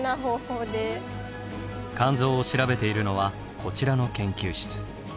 肝臓を調べているのはこちらの研究室。